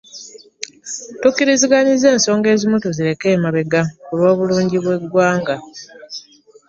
Tukkiriziganyizza ensonga ezimu tuzireke emabega ku lw'obulungi bw'eggwanga